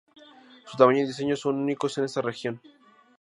Su tamaño y diseño son únicos en esta región.